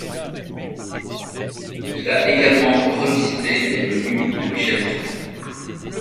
Il a également revisité les menus de Michel Bras.